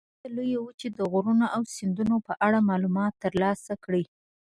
د امریکا د لویې وچې د غرونو او سیندونو په اړه معلومات ترلاسه کړئ.